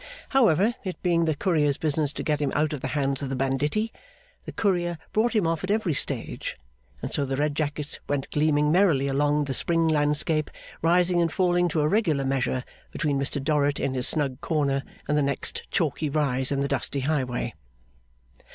However, it being the Courier's business to get him out of the hands of the banditti, the Courier brought him off at every stage; and so the red jackets went gleaming merrily along the spring landscape, rising and falling to a regular measure, between Mr Dorrit in his snug corner and the next chalky rise in the dusty highway.